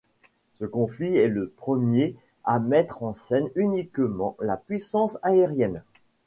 Ce conflit est le premier à mettre en scène uniquement la puissance aérienne.